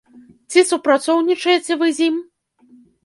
Ці супрацоўнічаеце вы з ім?